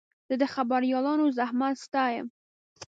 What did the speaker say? زه د خبریالانو زحمت ستایم.